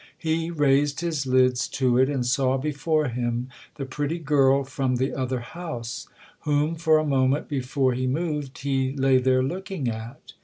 He raised his lids to it and saw before him the pretty girl from the other house, whom, for a moment before he moved, he lay there looking at.